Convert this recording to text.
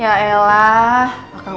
nah gue udah tahan